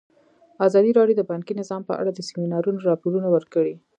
ازادي راډیو د بانکي نظام په اړه د سیمینارونو راپورونه ورکړي.